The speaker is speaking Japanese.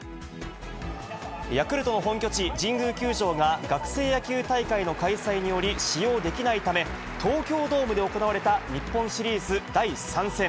ヤクルトの本拠地、神宮球場が、学生野球大会の開催により使用できないため、東京ドームで行われた日本シリーズ第３戦。